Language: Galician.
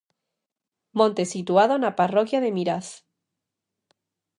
Monte situado na parroquia de Miraz.